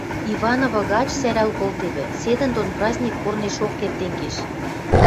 Иваново гач сӓрӓл колтевӹ, седӹндон праздник корнешок эртен кеш.